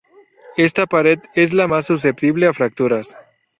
Esta pared es la mas susceptible a fracturas.